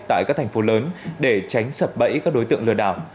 tại các thành phố lớn để tránh sập bẫy các đối tượng lừa đảo